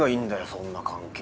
そんな関係。